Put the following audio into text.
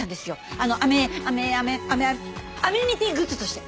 あのアメアメアメアメアメニティーグッズとして。